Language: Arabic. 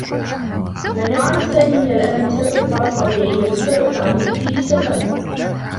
لم يعاني سامي من الألم بسبب مرض طبيعي بل بسبب تعرّضه للتّسمّم.